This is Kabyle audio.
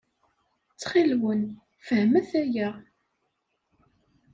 Ttxil-wen, fehmet aya.